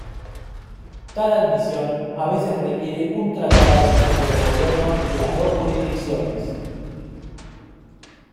Tal admisión a veces requiere un tratado entre los gobiernos de las dos jurisdicciones.